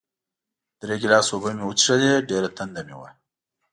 درې ګیلاسه اوبه مې وڅښلې، ډېره تنده مې وه.